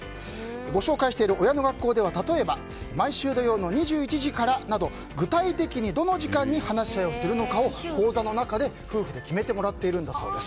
ご紹介している親のがっこうでは例えば毎週土曜の２１時からなど具体的に、どの時間に話し合いをするかを講座の中で夫婦で決めてもらっているんだそうです。